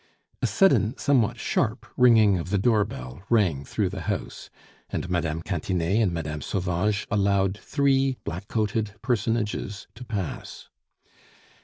A sudden, somewhat sharp ringing of the door bell rang through the house, and Mme. Cantinet and Mme. Sauvage allowed three black coated personages to pass.